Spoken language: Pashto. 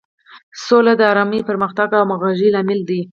سوله د ارامۍ، پرمختګ او همغږۍ لامل ده.